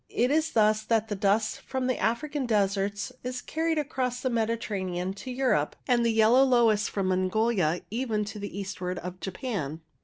It is thus that the dust of the African deserts is carried across the Mediterranean to Europe, and the yellow loess from Mongolia even to the eastward of Japan.